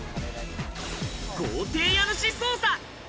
豪邸家主捜査！